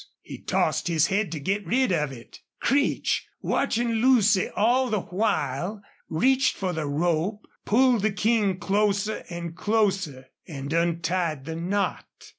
He tossed his head to get rid of it. Creech, watching Lucy all the while, reached for the rope, pulled the King closer and closer, and untied the knot.